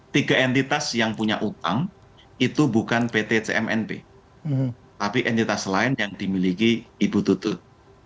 tiga entitas yang punya utang itu bukan pt cmnp tapi entitas lain yang dimiliki ibu tutut